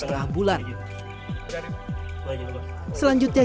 selanjutnya jamur dari bongkol jagung